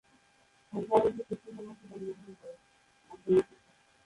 তার বড় ভাই সেপ্টেম্বর মাসে জন্মগ্রহণ করে।